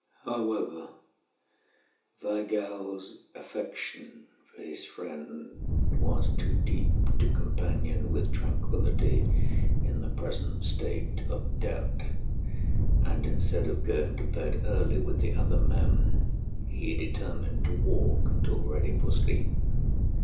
However, Weigall's affection for his friend was too deep to companion with tranquillity in the present state of doubt, and, instead of going to bed early with the other men, he determined to walk until ready for sleep.